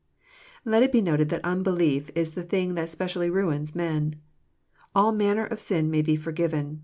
Let it be noted that unbelief is the thing that specially ruins men. All manner of sin may be forgiven.